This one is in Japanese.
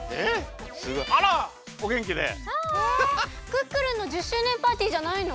クックルンの１０周年パーティーじゃないの！？